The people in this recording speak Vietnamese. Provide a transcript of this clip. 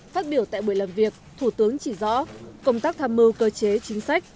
phát biểu tại buổi làm việc thủ tướng chỉ rõ công tác tham mưu cơ chế chính sách